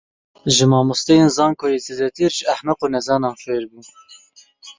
Ji mamosteyên zankoyê zêdetir, ji ehmeq û nezanan fêr bûm.